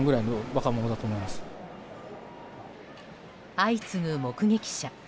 相次ぐ目撃者。